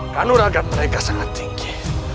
kanuragan mereka sangat tinggi